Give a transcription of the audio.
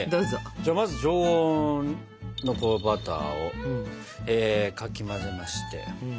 じゃあまず常温のバターをかき混ぜまして。